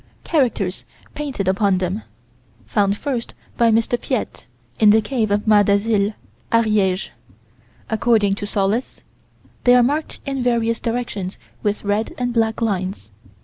Characters painted upon them: found first by M. Piette, in the cave of Mas d'Azil, Ariége. According to Sollas, they are marked in various directions with red and black lines.